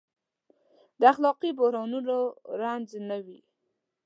د اخلاقي بحرانونو رنځ نه وي.